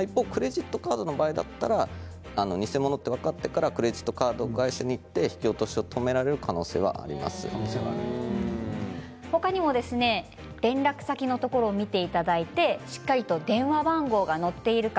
一方、クレジットカードの場合だったら偽物と分かってからクレジットカード会社に言って引き落としを止められる可能性が他にも連絡先のところを見ていただいてしっかりと電話番号が載っているか。